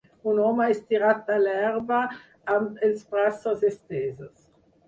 Un home estirat a l'herba amb els braços estesos.